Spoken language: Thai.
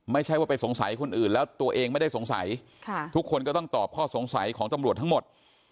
ไม่ใช่ว่าไปสงสัยคนอื่นแล้วตัวเองไม่ได้สงสัยทุกคนก็ต้องตอบข้อสงสัยของตำรวจทั้งหมด